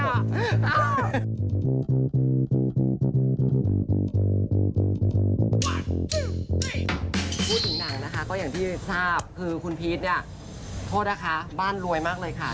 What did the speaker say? พูดถึงหนังนะคะก็อย่างที่ทราบคือคุณพีชเนี่ยโทษนะคะบ้านรวยมากเลยค่ะ